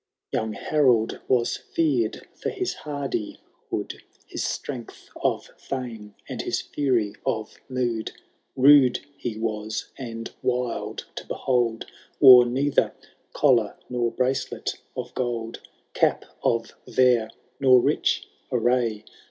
VIII. Young Harold was fear'd for his hardihood. His strength of fame, and his fury of mood. Bude he was and wild to behold. Wore neither collar nor bracelet of gold. Cap of vair nor rich array.